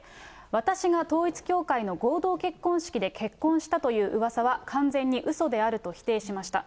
私が統一教会の合同結婚式で結婚したといううわさは完全にうそであると否定しました。